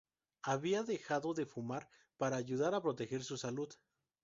Había dejado de fumar para ayudar a proteger su salud.